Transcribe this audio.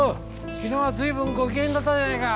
昨日は随分ご機嫌だったじゃねえか。